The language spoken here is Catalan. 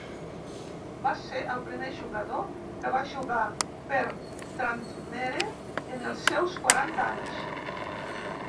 Va ser el primer jugador que va jugar per Tranmere en els seus quaranta anys.